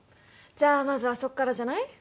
じゃあまずはそこからじゃない？